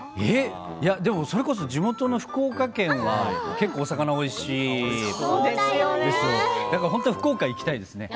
それこそ地元の福岡県が結構、お魚がおいしいんで福岡に行きたいですね。